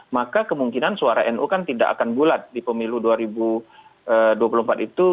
maka kemungkinan suara nu kan tidak akan bulat di pemilu dua ribu dua puluh empat itu